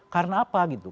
karena apa gitu